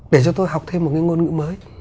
để cho tôi học thêm một cái ngôn ngữ mới